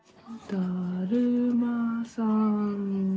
「だるまさんが」。